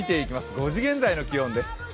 ５時現在の気温です。